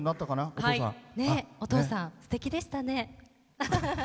お父さんすてきでしたね。